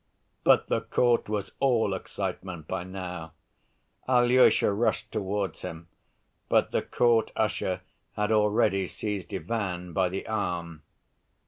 But the court was all excitement by now. Alyosha rushed towards him, but the court usher had already seized Ivan by the arm.